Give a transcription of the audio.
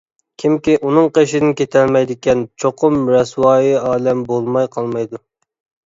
كىمكى ئۇنىڭ قېشىدىن كېتەلمەيدىكەن، چوقۇم رەسۋايىئالەم بولماي قالمايدۇ.